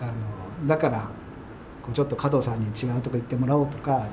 だからちょっと加藤さんに違う所行ってもらおうとか。